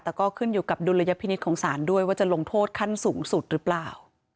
แต่ก็ขึ้นอยู่กับดุลยพินิษฐ์ของศาลด้วยว่าจะลงโทษขั้นสูงสุดหรือเปล่า